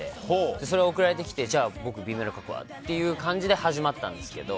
それが送られてきて、じゃあ僕Ｂメロ書くわって感じで始まったんですけど。